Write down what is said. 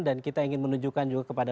dan kita ingin menunjukkan juga kepada